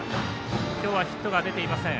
今日はヒットが出ていません。